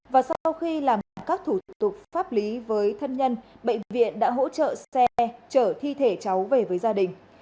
và sau khi làm các thủ tục pháp lý với thân nhân bệnh viện đã hỗ trợ xe trở thi thể cháu về với gia đình